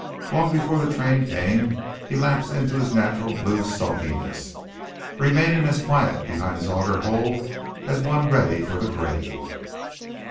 Long before the train came he lapsed into his natural blue sulkiness, remaining as quiet behind his auger hole as one ready for the grave.